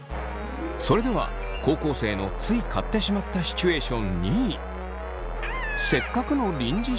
それでは高校生のつい買ってしまったシチュエーション２位。